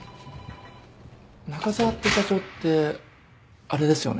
中澤って社長ってあれですよね？